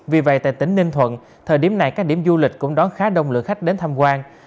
vì vậy tại tỉnh ninh thuận thời điểm này các điểm du lịch cũng đón khá đông lượng khách đến tham quan